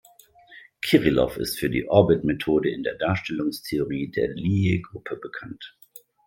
Kirillow ist für die Orbit-Methode in der Darstellungstheorie der Lie-Gruppen bekannt.